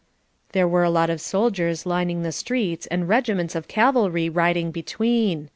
There were a lot of soldiers lining the streets and regiments of cavalry riding between.